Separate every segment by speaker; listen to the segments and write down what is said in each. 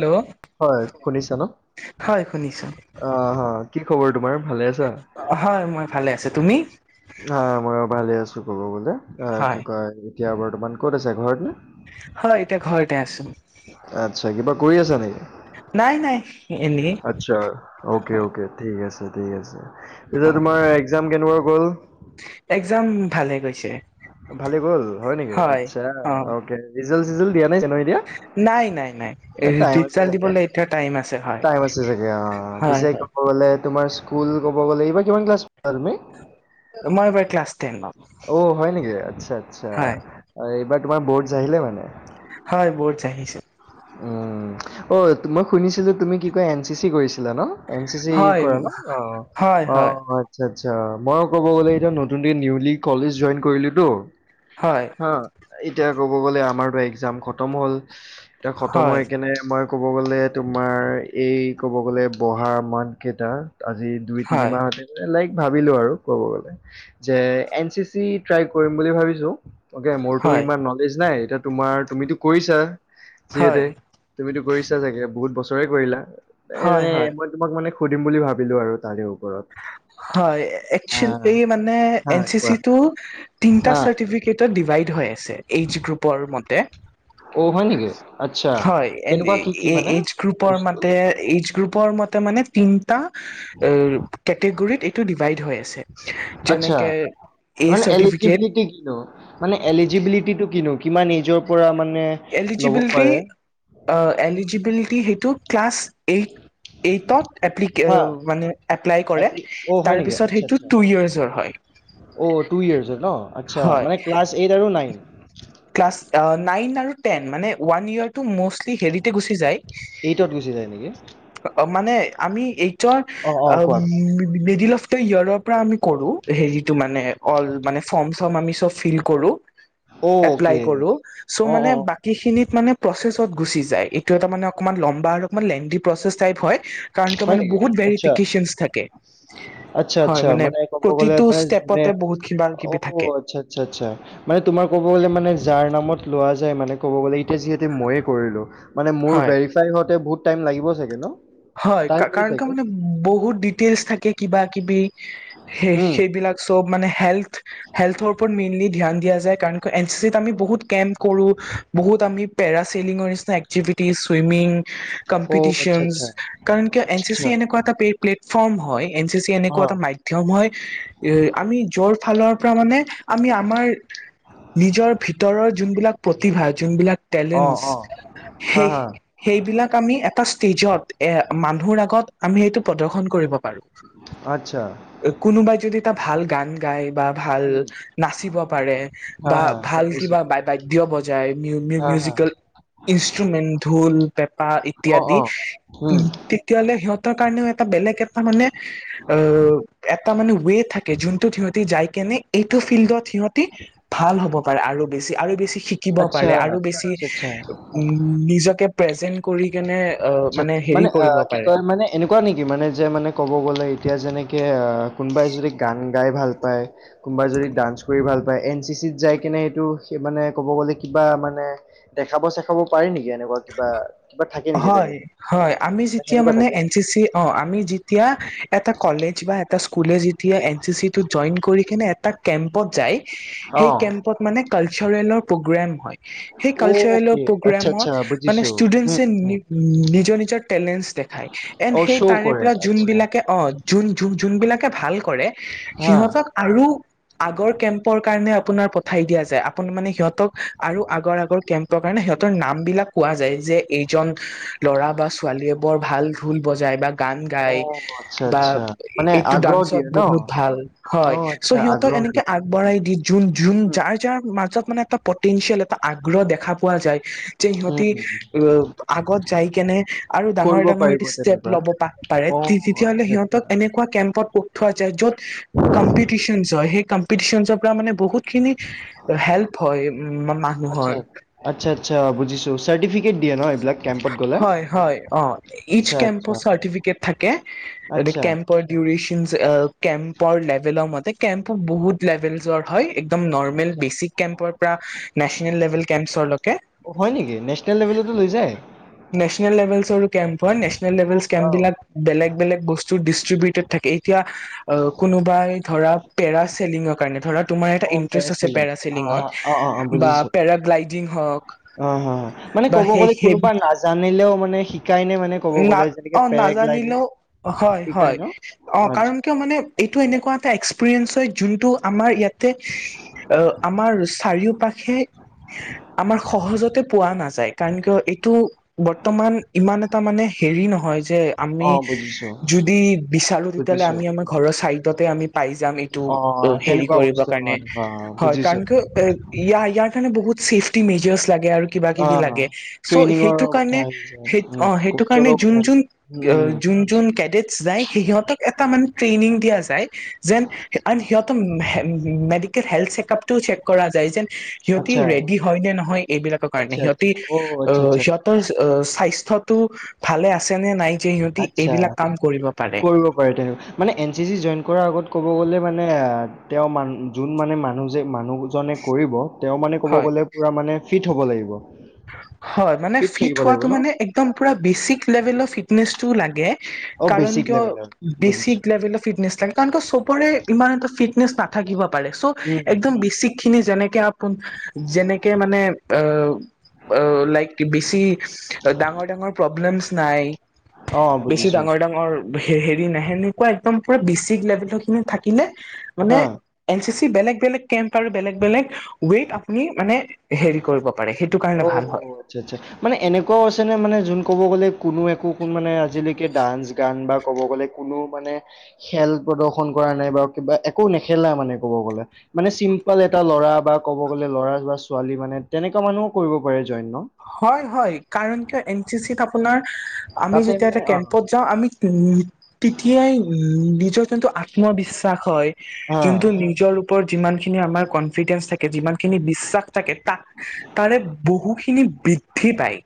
Speaker 1: Hello
Speaker 2: হয় শুনিছা ন
Speaker 1: হয় শুনিছোঁ।
Speaker 2: অ কি খবৰ তোমাৰ ভালে আছা
Speaker 1: হয় মই ভালে আছো তুমি?
Speaker 2: আহ মই আৰু ভালে আছো ক'ব বোলে কি
Speaker 1: হয়
Speaker 2: কয় এতিয়া বৰ্তমান ক'ত আছে ঘৰতনে
Speaker 1: হয় এতিয়া ঘৰতে আছো।
Speaker 2: আচ্ছা, কিবা কৰি আছা
Speaker 1: নাই নাই
Speaker 2: নেকি?
Speaker 1: এনেই
Speaker 2: আচ্ছা, অকে
Speaker 1: হয়
Speaker 2: অকে ঠিক আছে। ঠিক আছে, পিছে
Speaker 1: হয়
Speaker 2: তোমাৰ একজাম কেনেকুৱা গ'ল?
Speaker 1: একজাম ভালে গৈছে।
Speaker 2: ভালে গ'ল হয় নেকি, আচ্ছা অকে ৰিজেল চিজেল?
Speaker 1: নাই নাই নাই
Speaker 2: এ টাইম আছে
Speaker 1: ৰিজাল্ট
Speaker 2: চাগে
Speaker 1: দিবলৈ এতিয়া টাইম আছে হয়
Speaker 2: টাইম আছে চাগে, অ
Speaker 1: হয়
Speaker 2: পিছে
Speaker 1: হয়
Speaker 2: ক'ব গলে তোমাৰ স্কুল ক'ব গ'লে এইবাৰ কিমান ক্লাছ পালা তুমি?
Speaker 1: মই এবাৰ ক্লাছ টেনত
Speaker 2: অ হয় নেকি আচ্ছা আচ্ছা,
Speaker 1: হয়
Speaker 2: এইবাৰ তোমাৰ বৰ্ডচ আহিলে মানে?
Speaker 1: হয় বৰ্ডছ আহিছে।
Speaker 2: উম অ মই শুনিছিলো তুমি কি কয় এন চি চি কৰিছা? লা ন, এনি চি
Speaker 1: হয়
Speaker 2: কৰা ন অ
Speaker 1: হয়
Speaker 2: অ
Speaker 1: হয়
Speaker 2: আচ্ছা আচ্ছা। আচ্ছা মই ক'ব গলে এতিয়া নতুন নিউলি কলেজ জইন কৰিলোতো
Speaker 1: হয়
Speaker 2: হা এতিয়া ক'ব গ'লে আমাৰ ত একজাম খতম হ'ল এতিয়া খতম
Speaker 1: হয়
Speaker 2: হৈ কিনে মই ক'ব গ'লে তোমাৰ এই ক'ব গ'লে বহা মানথকেইটা আজি দুই
Speaker 1: হয় হয়
Speaker 2: তিনিমাহতে লাইক ভাবিলো আৰু কব গলে যে এন চি চি ট্ৰাই কৰিম বুলি ভাবিছো। তাকে মোৰতো
Speaker 1: হয়
Speaker 2: ইমান নলেজ নাই এতিয়া তোমাৰ তুমিতো কৰিছা যিহেতু
Speaker 1: হয়
Speaker 2: তুমিতো কৰিছা চাগে বহুত বছৰে কৰিলা,
Speaker 1: হয়
Speaker 2: এনে
Speaker 1: হয়
Speaker 2: মই তোমাক মানে সুধিম বুলি ভাবিলোঁ আৰু তাৰেও।
Speaker 1: হয় একচেলি মানে
Speaker 2: হা
Speaker 1: এন চি
Speaker 2: কোৱা
Speaker 1: চিটো তিনিটা
Speaker 2: হা
Speaker 1: চাৰ্টিফিকেটত ডিভাইড হৈ আছে, এইজ গ্ৰুপৰ মতে।
Speaker 2: অ হয় নেকি আচ্ছা।
Speaker 1: হয়
Speaker 2: কেনেকুৱা কি কি
Speaker 1: এ
Speaker 2: মানে
Speaker 1: এইজ গ্ৰুপৰ
Speaker 2: বস্তু
Speaker 1: মতে এইজ গ্ৰুপৰ মতে মানে তিনটা এ কেটেগৰিত এইটো ডিভাইড হৈ আছে।
Speaker 2: আচ্ছা
Speaker 1: যেনেকে এ
Speaker 2: মানে
Speaker 1: চাৰ্টিফিকেট
Speaker 2: এলিজিবিলিটি কিনো, মানে এলিজিবিলিটিটো কিনো? কিমান এজৰ পৰা মানে ল'ব
Speaker 1: এলিজিবিলিটি
Speaker 2: পাৰে
Speaker 1: আ এলিজিবিলিটি সেইটো ক্লাছ এইট এইটত এপলিকে
Speaker 2: হা
Speaker 1: মানে এপ্লাই কৰে
Speaker 2: এপ্লি অ হয় নেকি
Speaker 1: তাৰপিছত
Speaker 2: আচ্ছা
Speaker 1: সেইটো
Speaker 2: আচ্ছা
Speaker 1: টু ইয়াৰ্চৰ হয়।
Speaker 2: অ টু ইয়েৰচৰ ন আচ্ছা'
Speaker 1: হয়
Speaker 2: মানে ক্লাছ এইট আৰু নাইন।
Speaker 1: ক্লাছ নাইন আৰু টেন মানে, ৱান ইয়েৰটো মষ্ট হেৰিতে গুচি যায়,
Speaker 2: এইটত গুচি যায় নেকি
Speaker 1: মানে আমি এইটোৰ
Speaker 2: অ অ কোৱা
Speaker 1: উম দিলফটৰ ইয়াৰৰ পৰা আমি কৰো সেইটো মানে অল মানে ফৰ্ম-চৰ্ম আমি চব ফিল কৰো।
Speaker 2: অ
Speaker 1: এপ্লাই
Speaker 2: অকে
Speaker 1: কৰো চ'
Speaker 2: অ অ
Speaker 1: মানে
Speaker 2: অ,
Speaker 1: বাকী খিনি মানে প্ৰচেছ ত গুচি যায়, এইটো এটা মানে অকমান লম্বা আৰু অকমান লেনডি প্ৰচেছ টাইপ হয়। কাৰণ ক
Speaker 2: হয়
Speaker 1: মানে
Speaker 2: নেকি
Speaker 1: বহুত ভেৰিফিকেচনচ থাকে। হয়
Speaker 2: আচ্ছা-আচ্ছা মানে ক'ব গ'লে
Speaker 1: প্ৰতিটো
Speaker 2: মানে যোনে
Speaker 1: ষ্টেপতে বহুত কিবা
Speaker 2: অ
Speaker 1: কিবি থাকে
Speaker 2: আচ্ছা-আচ্ছা-আচ্ছা মানে তোমাৰ ক'ব কলে মানে যাৰ নামত লোৱা যায় মানে ক'ব গ'লে এতিয়া যিহেতু মইয়ে কৰিলো মানে মোৰ
Speaker 1: হয়
Speaker 2: ভেৰিফাই হওতে বহুত টাইম লাগিব চাগে ন?
Speaker 1: হয়
Speaker 2: টাইম লয়
Speaker 1: কাৰণ ক
Speaker 2: চাগে?
Speaker 1: মানে বহুত ডিটেইলছ থাকে কিবা-কিবি সে
Speaker 2: হুম।
Speaker 1: সেইবিলাক মানে হেল্থ-হেল্থ উপৰত মিনি মেইনলী ধ্যান দিয়া যায়, এন চি চি ত আমি বহুত কেম্প কৰো বহুত আমি পেৰা চিলিং নিছিনা এক্টিভিটি, চুইমিং,
Speaker 2: অ' আচ্ছা,
Speaker 1: কম্পিটিশনচ
Speaker 2: আচ্ছা।
Speaker 1: কাৰণ কিয় এন
Speaker 2: আচ্ছা,
Speaker 1: চি
Speaker 2: আচ্ছা।
Speaker 1: চি এনেকুৱা এটা প্লেটফৰ্ম হয় এন চি চি এনেকুৱা
Speaker 2: অ',
Speaker 1: এটা মাধ্যম হয়, এ আমি যৰ ফালৰ পৰা মানে আমি আমাৰ নিজৰ ভিতৰৰ যোনবিলাক প্ৰতিভা, যোনবিলাক
Speaker 2: অ',
Speaker 1: টেলেনচ
Speaker 2: অ'। হা,
Speaker 1: সেই
Speaker 2: হা।
Speaker 1: সেইবিলাক আমি এটা ষ্টেজত এ মানুহৰ আগত আমি এইটো প্ৰদৰ্শন কৰিব
Speaker 2: আচ্ছা।
Speaker 1: পাৰো। কোনোবাই যদি, এটা ভাল গান গায়, বা ভাল
Speaker 2: হুম।
Speaker 1: নাচিব পাৰে
Speaker 2: হা,
Speaker 1: বা
Speaker 2: হা। গম
Speaker 1: ভাল
Speaker 2: পাইছোঁ।
Speaker 1: কিবা বা বাদ্য বজায় মিও-মিও,
Speaker 2: হা, হা।
Speaker 1: মিউজিকেল ইনস্ত্ৰোমেণ্ট ঢোল, পেপা
Speaker 2: অ',
Speaker 1: ইত্যাদি
Speaker 2: অ'। হুম।
Speaker 1: উম' তেতিয়াহ'লে সিহঁতৰ কাৰণেও এটা বেলেগ এটা মানে অ এ এটা মানে ৱে থাকে যোনটো সিহঁতি যাই কেনে এইটো ফিল্ডৰ সিহঁতি ভাল হ'ব পাৰে আৰু বেছি। আৰু বেছি শিকিব
Speaker 2: আচ্ছা।
Speaker 1: পাৰে আৰু বেছি
Speaker 2: আচ্ছা, আচ্ছা।
Speaker 1: উ নিজকে প্ৰেজেন্ট কৰি কেনে অ'
Speaker 2: আচ্ছা,
Speaker 1: মানে হেৰি
Speaker 2: মানে অ
Speaker 1: কৰিব
Speaker 2: কি
Speaker 1: পাৰে
Speaker 2: কয় মানে এনেকুৱা নেকি মানে যে মানে ক'ব গ'লে এতিয়া যেনেকে অ। কোনোবাই যদি গান গাই ভাল পায় কোনোবা যদি ডান্স কৰি ভাল পায়। এন চি চিত যাই কিনে এইটো সেই মানে ক'ব গ'লে, কিবা মানে দেখাব-চেখাব পাৰি নেকি এনেকুৱা কিবা-কিবা থাকে নেকি
Speaker 1: হয়
Speaker 2: তেনেকুৱা?
Speaker 1: হয় আমি
Speaker 2: নে
Speaker 1: যেতিয়া
Speaker 2: সেনেকুৱা
Speaker 1: মানে
Speaker 2: থাকে?
Speaker 1: এন চি চি অ আমি যেতিয়া এটা কলেজ বা এটা স্কুল এতিয়া এন চি চি টোত জইন কৰি কেনে, এটা কেম্পত জাই, সেই
Speaker 2: অ'।
Speaker 1: কেম্পত মানে কালচাৰৱেল ৰ প্ৰগ্ৰাম হয়। সেই কালচাৰেল
Speaker 2: অ'কে আচ্ছা
Speaker 1: পগ্ৰমত
Speaker 2: আচ্ছা
Speaker 1: মানে
Speaker 2: বুজিছো।
Speaker 1: ষ্টুদেনজ
Speaker 2: উম, উম, উম।
Speaker 1: নিজৰ-নিজৰ তেলেঞ্চ দেখাই
Speaker 2: অ'
Speaker 1: সেই
Speaker 2: শ্ব'
Speaker 1: তাৰে
Speaker 2: কৰে
Speaker 1: পৰা যোন
Speaker 2: আচ্ছা।
Speaker 1: বোলাকে অ', যোনবিলাকে ভাল কৰে
Speaker 2: হা,
Speaker 1: সিহঁতক আৰু আগৰ কেম্পৰ কাৰণে আপোনাৰ পঠাই দিয়া যায় আপুনি মানে সিহঁতক আৰু আগৰ আগৰ কেম্পৰ কাৰণে সিহতক নাম বিলাক কোৱা যায় যে এইজন ল'ৰা বা ছোৱালীয়ে বৰ ভাল ঢোল বজাই বা গান গায়
Speaker 2: অ' আচ্ছা
Speaker 1: বা
Speaker 2: আচ্ছা মানে
Speaker 1: এইটো
Speaker 2: আগ্ৰহ
Speaker 1: ডাতসত
Speaker 2: দিয়ে ন?
Speaker 1: বহুত ভাল হয়,
Speaker 2: অ'
Speaker 1: চ
Speaker 2: আচ্ছা
Speaker 1: সিহত
Speaker 2: আগ্ৰহ
Speaker 1: সেনেকে
Speaker 2: দিয়ে।
Speaker 1: আগবঢ়াই দি জোন-জোন
Speaker 2: উম,
Speaker 1: যাৰ-যাৰ মাজত মানে এটা পটেতেচিয়েল এটা আগ। আগ্ৰ দেখা পোৱা যায়, যে
Speaker 2: উম,
Speaker 1: সিহঁতে
Speaker 2: উম।
Speaker 1: আগত যাই কেনে আৰু
Speaker 2: কৰিব
Speaker 1: ডাঙৰ-ডাঙৰ
Speaker 2: পাৰিব
Speaker 1: সটো ষ্টেপ
Speaker 2: তেনেকুৱা।
Speaker 1: ল'ব প পাৰে
Speaker 2: অ',
Speaker 1: তেতিয়াহলে
Speaker 2: আচ্ছা,
Speaker 1: সিহঁত এনেকুৱা কেম্পত পোৱা যায় য'ত কম্পিটিশন হয়, সেই কম্পিটিচন পৰা মানে বহুত খিনি হেল্প হয় উ
Speaker 2: আচ্ছা, আচ্ছা,
Speaker 1: মানুহৰ।
Speaker 2: আচ্ছা, আচ্ছা, বুজিছো চাৰ্টিফিকেট দিয়ে ন এইবিলাক কেম্পত গ'লে?
Speaker 1: হয়-হয় অ
Speaker 2: আচ্ছা,
Speaker 1: ইস্তকেম্প
Speaker 2: আচ্ছা,
Speaker 1: চাৰটিফিকেত থাকে,
Speaker 2: আচ্ছা,
Speaker 1: কেম্পৰ দুৰেশ্য কেম্পৰ লেভেলৰ মতে কেম্পো বহুত লেভেলৰ হয়। একদম নৰ্মেল
Speaker 2: আচ্ছা,
Speaker 1: বেচিক কেম্পৰ পৰা নেশচনেল লেভেল কেম্পছৰলৈকে।
Speaker 2: অ', হয় নেকি? নেচনেল লেভেলতো লৈ যায়?
Speaker 1: নেচনেল লেভেলচৰো কেম্প নেচনেল
Speaker 2: অ',
Speaker 1: লেভেল
Speaker 2: ৱাও,
Speaker 1: কেম্পচবিলাক বেলেগ বেলেগ বস্তু ডিষ্ট্ৰিবিউটেড থাকে। এতিয়া অ' কোনোবাই ধৰা পেৰা চেলিঙৰ কাৰণে ধৰা তোমাৰ এটা
Speaker 2: অ',
Speaker 1: ইণ্টাৰেষ্ট আছে
Speaker 2: পেৰাচেলিং, হা, হা, অ', অ',
Speaker 1: পেৰাচিলিঙত বা
Speaker 2: বুজিছো,
Speaker 1: পেৰাগ্লাইডিং হওক।
Speaker 2: অ' অ' মানে
Speaker 1: বা
Speaker 2: ক'ব
Speaker 1: সেই
Speaker 2: গ'লে
Speaker 1: সেই
Speaker 2: কোনোবা নাজানিলেও মানে শিকাই নে মানে ক'ব
Speaker 1: না
Speaker 2: গ'লে যেনেকে
Speaker 1: অ'
Speaker 2: পেৰাগ্লাইডিং
Speaker 1: নাজানিলেও হয়
Speaker 2: শিকাই
Speaker 1: হয়
Speaker 2: ন'?
Speaker 1: অ'
Speaker 2: আচ্ছা,
Speaker 1: কাৰণ কিয় মানে এইটো এনেকুৱা এটা এক্সপিৰিয়েঞ্চ হয় যোনটো আমাৰ ইয়াত আমাৰ চাৰিওপাশে আমাৰ সহজতে পোৱা নাযায়। কাৰণ কিয় এইটো বৰ্তমান ইমান এটা মানে হেৰি নহয়। যে আমি
Speaker 2: অ', বুজিছো,
Speaker 1: যদি বিচাৰো তেতিয়াহ'লে
Speaker 2: বুজিছো,
Speaker 1: আমি আমাৰ
Speaker 2: অ',
Speaker 1: ঘৰৰ চাইডতে আমি পাই যাম এইটো
Speaker 2: অ',
Speaker 1: হৰি
Speaker 2: তেনেকুৱা
Speaker 1: কৰিব
Speaker 2: বস্তু
Speaker 1: কাৰণে
Speaker 2: হয়, হা,
Speaker 1: হয়
Speaker 2: বুজিছো,
Speaker 1: কাৰণ
Speaker 2: অ',
Speaker 1: ইয়াৰ কাৰণে বহুত চেফ্টি চেফ্টি মেজৰচ লাগে আৰু কিবা
Speaker 2: অ
Speaker 1: কিবি লাগে সেই
Speaker 2: ট্ৰেইনিঙৰ কথা
Speaker 1: কাৰণে
Speaker 2: আহিছে উম
Speaker 1: অ সেইটো
Speaker 2: কৌচৰ
Speaker 1: কাৰণে
Speaker 2: কথা
Speaker 1: যোন যোন
Speaker 2: আহিছে উম উম উম
Speaker 1: যোন যোন
Speaker 2: বুজিছো।
Speaker 1: কেডেটচ যায় সিহঁতক এটা মানে ট্ৰেইনিং দিয়া যায়। যেন সিহঁতৰ মেডিকেল হেল চেকআপটোও চেক কৰা যায় যেন সিহঁতি
Speaker 2: আচ্ছা
Speaker 1: ৰেডি হয় নে নহয় এইবিলাকৰ কাৰণে
Speaker 2: আচ্ছা আচ্ছা
Speaker 1: সিহঁতি
Speaker 2: অ আচ্ছা
Speaker 1: আহ
Speaker 2: আচ্ছা
Speaker 1: সিহঁতৰ স্বাস্থ্যত ভালে আছে নে নাই যে সিহঁতি
Speaker 2: আচ্ছা
Speaker 1: এইবিলাক কাম কৰিব। পাৰে
Speaker 2: কৰিব পাৰে তেওঁ মানে এন চি চি জইন কৰা আগত ক'ব গ'লে মানে তেওঁ মান যোন মানে মানুহ যে মানুহজনে কৰিব। তেওঁ মানে ক'ব
Speaker 1: হয়
Speaker 2: গ'লে পুৰা মানে ফিট হ'ব লাগিব
Speaker 1: হয় মানে ফিট
Speaker 2: থাকিব লাগিব
Speaker 1: হোৱাটো
Speaker 2: ন
Speaker 1: মানে একদম বেচিক লেভেলৰ ফিটনেচটো লাগে
Speaker 2: অ
Speaker 1: কাৰণ
Speaker 2: বেচিক
Speaker 1: কিয়
Speaker 2: লেভেলৰ
Speaker 1: বেছিক
Speaker 2: বুজিছো
Speaker 1: লেভেলৰ ফিটনেছ লাগে কাৰণ কিয় চবৰে ইমান এটা ফিটনেচ নাথাকিব পাৰে চ'
Speaker 2: উম
Speaker 1: একদম বেছিক খিনি যেনেকে আপোন যেনেকে মানে আহ লাইক বেছি ডাঙৰ ডাঙৰ প্ৰব্লেমছ নাই
Speaker 2: অ
Speaker 1: বেছি
Speaker 2: বুজিছো
Speaker 1: ডাঙৰ ডাঙৰ হেৰি নাই সেনেকুৱা এক্দম পুৰা বেচিক লেভেলৰ খিনি থাকিলে মানে
Speaker 2: হা
Speaker 1: এন চি চি বেলেগ বেলেগ কেম্প আৰু বেলেগ বেলেগ ৱেইট আপুনি মানে হেৰি কৰিব পাৰে সেইটো কাৰ [unintelligible]
Speaker 2: অ' আচ্ছা আচ্ছা মানে এনেকুৱাও আছে নে মানে যোন ক'ব গ'লে কোনো একো মানে আজিলৈকে ডান্স গান বা ক'ব গ'লে কোনো মানে খেল প্ৰদৰ্শন কৰা নাই বাাৰু কিবা একো নেখেলা মানে ক'ব গ'লে মানে চিম্পল এটা ল'ৰা বা ক'ব গ'লে ল'ৰা বা ছোৱালী মানে তেনেকুৱা মানুহও কৰিব পাৰে জইন ন
Speaker 1: হয় হয় কাৰণ কিয় এন চি চি ত আপোনাৰ আমি
Speaker 2: তাতে
Speaker 1: যেতিয়া
Speaker 2: মানে
Speaker 1: এটা
Speaker 2: অ
Speaker 1: কেম্পত যাওঁ আমি উ তেতিয়াই উ নিজৰ যোনটো আত্মবিশ্বাস হয়
Speaker 2: হা
Speaker 1: যোনটো নিজৰ ওপৰত যিমানখিনি আমাৰ কনফিডেন্ঞ্চ থাকে যিমান খিনি বিশ্বাস থাকে তাৰে বহুত বহুতখিনি বৃদ্ধি পায়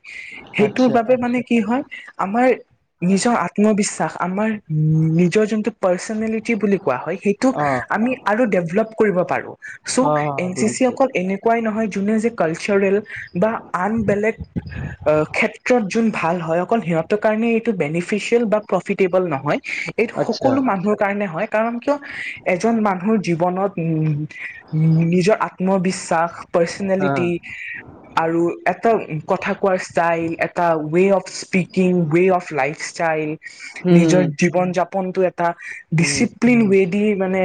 Speaker 1: সেইটোৰ
Speaker 2: আচ্ছা
Speaker 1: বাবে মানে কি হয় আমাৰ নিজৰ আত্মবিশ্বাস আমাৰ নিজৰ যোনটো পাৰ্চনেলিটি বুলি কোৱা হয় সেইটোক
Speaker 2: অ
Speaker 1: আমি আৰু ডেভলপ কৰিব পাৰো
Speaker 2: অ
Speaker 1: চ' এন
Speaker 2: অ'
Speaker 1: চি চি
Speaker 2: বুজিছো
Speaker 1: অকল এনেকুৱাই নহয় যোনে যে কালচাৰেল বা আন বেলেগ ক্ষেত্ৰত যোনটো অঁ যোন ভাল হয় অকল সিহঁতৰ কাৰনে এইটো বেনিফিচিয়েল বা প্ৰফিটেবল প্ৰফিটেবল নহয় এইটো
Speaker 2: আচ্ছা
Speaker 1: সকলো মানুহৰ কাৰণে হয় কাৰণ কিয় এজন মানুহৰ জীৱনত উম নিজৰ আত্মবিশ্বাস
Speaker 2: হা হা
Speaker 1: পাৰ্চনেলিটি আৰু এটা কথা কোৱাৰ ষ্টাইল এটা way of speaking way of lifestyle
Speaker 2: হম
Speaker 1: নিজৰ জীৱন উদ যাপনতটো এটা
Speaker 2: হম হম
Speaker 1: ডিচিপ্লিন ৱে দি মানে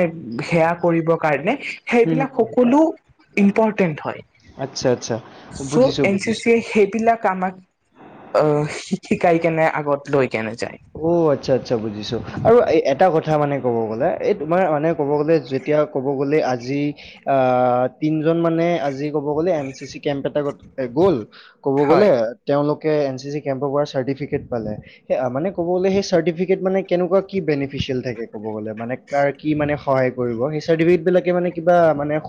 Speaker 1: সেয়া কৰিবৰ কাৰণে
Speaker 2: হম হম
Speaker 1: সেইবিলাক
Speaker 2: হম
Speaker 1: সকলো ইম্পৰ্টেন্ট হয়
Speaker 2: আচ্ছা আচ্ছা
Speaker 1: চ'
Speaker 2: বুজিছো
Speaker 1: এন চি
Speaker 2: বুজিছো
Speaker 1: চি সেইবিলাক আমাক শ শিকাই কেনে আগত লৈ কেনে যায়
Speaker 2: অঁ আচ্ছা আচ্ছা বুজিছো আৰু এটা কথা মানে ক'ব গলে এই তোমাৰ মানে ক'ব গলে যেতিয়া ক'ব গলে আজি দুজন মানে আজি ক'ব গ'লে এম চি চি কেম্প এটা গ'ল কব গলে
Speaker 1: হয়
Speaker 2: তেওঁলোকে এন চি চি কেমপৰ পৰা চাৰ্টিফিকেট পালে ক'ব গলে সেই চাৰ্টিফিকেট মানে কেনেকুৱা কি বেনিফিচিয়েল থাকে ক'ব গ'লে মানে কাৰ কি মানে সহায় কৰিব। এই চাৰ্টিফিকেট বোৰে কেনেকুৱা টাইপত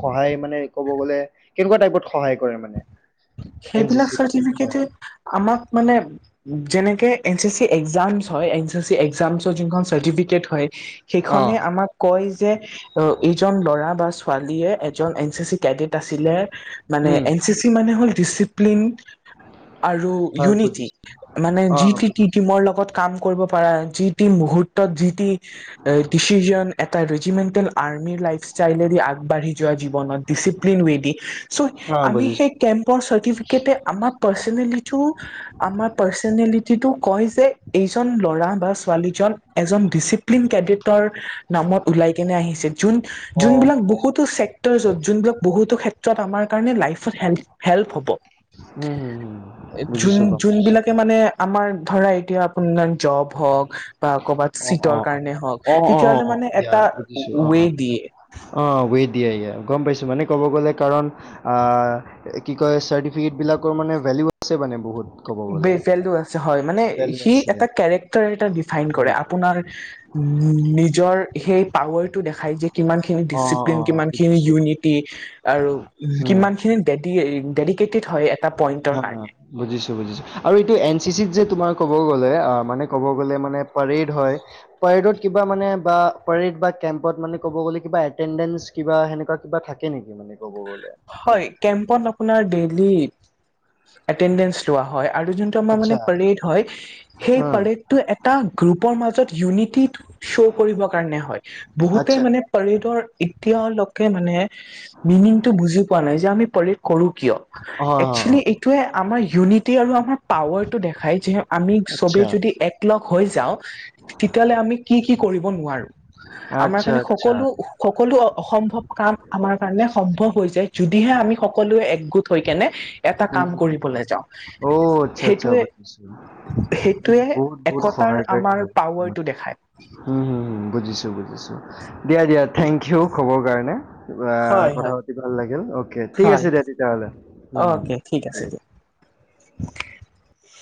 Speaker 2: সহায় কৰে মানে কব গলে কেনেকুৱা টাইপত সহায় কৰে মানে। এন চি
Speaker 1: সেইবিলাক
Speaker 2: চিত
Speaker 1: চাৰ্টিফিকেটে আমাক মানে। যেনেকে এন চি চি এক্জাম হয় এন চি চি এজামচৰ যোনখন চাৰ্টিফিকেট হয় সেইখনে
Speaker 2: অ'
Speaker 1: আমাক কয় যে এইজন ল'ৰা বা ছোৱালীয়ে এজন এন চি চি কেদিত আছিলে মানে
Speaker 2: উম
Speaker 1: এ চি চি মানে [unintelligible] ডিচিপ্লিন আৰু
Speaker 2: হয়
Speaker 1: ইউনিটি
Speaker 2: বুজিছো
Speaker 1: মানে যি
Speaker 2: অ'
Speaker 1: ট
Speaker 2: বুজিছো
Speaker 1: টিমৰ লগত কাম কৰিব পাৰা যি টি মু। [unintelligible] মুহূৰ্তত যি টি ডিচিজন এটা ৰেজিমেটেল আৰ্মিৰ লাইফষ্টাইলেদি আগবাঢ়ি। আগবাঢ়ি যোৱা জীৱনত দিচিপ্লিন উয়েদি
Speaker 2: অ' বুজিছো
Speaker 1: চাৰ্টিফিকেট এ আমাৰ পাৰ্চনেলিটিটো কয় যে এই ল'ৰা। বা ছোৱালীজন এজন ডিচিপ্লিন কেডিটৰ নামত উওলাই কেনে আহিছিল [unintelligible] যোন
Speaker 2: অ
Speaker 1: যোনবিলাক
Speaker 2: বুজিছো
Speaker 1: বহুতো চেক্টৰত যোনবিলাক বহুতো ক্ষেত্ৰত আমাৰ কাৰণে লাইফত হেল। হেল্প হ'ব।
Speaker 2: উম হম হম বুজিছো বাৰু
Speaker 1: যোনবিলাকে মানে আমাৰ ধৰা এতিয়া আপোনাৰ জব হওক বা কৰ'বাত
Speaker 2: অ অ
Speaker 1: চিটৰ কাৰণে হওক
Speaker 2: অ অ অ অ
Speaker 1: তেতিয়াহলে
Speaker 2: অ
Speaker 1: মানে
Speaker 2: ইয়া
Speaker 1: এটা
Speaker 2: বুজিছো অ
Speaker 1: ৱে
Speaker 2: অ
Speaker 1: দিয়ে।
Speaker 2: অ' ৱেট দিয়ে য়া, গম পাইছো মানে ক'ব গ'লে কাৰণ কি ক চাৰ্টিফিকেট বিলাকৰ মানে ভেদ- [unintelligible]
Speaker 1: বে ভেলু আছে হয়, মানে সি
Speaker 2: আছে
Speaker 1: এটা কেৰেক্টাৰ এটা দিফাইন
Speaker 2: উম
Speaker 1: কৰে আপোনাৰ নিজৰ সেই পাৱাৰ টো দেখাই যে কিমান খিনি
Speaker 2: অ
Speaker 1: ডিচিপ্লিন
Speaker 2: অ অ,
Speaker 1: কিমানখিনি
Speaker 2: বুজিছো
Speaker 1: ইউনিটি আৰু
Speaker 2: উম
Speaker 1: কিমান ডেডি ডেডিকেটেড হয়। এটা পইণ্টৰ
Speaker 2: হ
Speaker 1: কাৰণে
Speaker 2: বুজিছো- বুজিছো আৰু এইটো এন চি চিত যে তোমাৰ ক'ব গ'লে অ' মানে ক'ব গ'লে মানে পাৰেড হয় পাৰেডত কিবা। মানে বা পৰেড বা কেম্পত মানে ক'ব গ'লে কিবা এটেণ্ডেঞ্চ কিবা সেনেুৱা কিবা থাকে নেকি মানে ক'ব গ'লে
Speaker 1: হয়, কেম্পত আপোনাৰ দেৰি এটেণ্ডেঞ্চ লোৱা হয়। আৰু যোনটো আমাৰ মানে পাৰেড হয় সেই পাৰেডটো এটা গ্ৰুপৰ মাজত ইউনিটি শ্ব' কৰিবৰ কাৰণে হয় বহুতে মানে পাৰেডৰ এতিয়ালৈকে মানে মিনিং বুজি পোৱা নাই যে আমি পাৰেড কৰোঁ কিয়? একচুৱেলি এইটোৱে আমাৰ ইউনিটি আৰু আমাৰ পাৱাৰ দেখাই যে আমি চবে যদি একলগ হৈ যাওঁ তেতিয়া হলে আমি কি কি কৰিব নোৱাৰো। আমাৰ কাৰণে সকলো সকলো অসম্ভৱ কাম আমাৰ কাৰণে সম্ভৱ। হৈ য যদিহে আমি সকলোৱে একগোট হৈ কেনে। এটা
Speaker 2: উ
Speaker 1: কাম কৰিবলৈ যাওঁ
Speaker 2: অ আত্চ্ছা আত্চ্ছা
Speaker 1: সেইটোৱে
Speaker 2: বুজচু
Speaker 1: সেইটোৱে
Speaker 2: বহুত বহুত শ-
Speaker 1: একতাৰ
Speaker 2: সহায়কাৰী
Speaker 1: আমাৰ
Speaker 2: হয়
Speaker 1: পাৱাৰটো দেখায়।
Speaker 2: বুজিছো -বুজিছো দিয়া দিয়া থেংক ইউ খবৰ কাৰণে।
Speaker 1: হয়
Speaker 2: কথা
Speaker 1: হয়
Speaker 2: পাতি ভাল লাগিল অকে ঠিক
Speaker 1: হয়
Speaker 2: আছে দিয়া তেতিয়াহ'লে উম উম।
Speaker 1: অকে ঠিক আছে দিয়ক।